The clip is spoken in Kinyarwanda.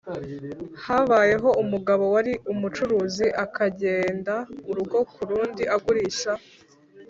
Habayeho umugabo wari umucuruzi akagenda urugo ku rundi agurisha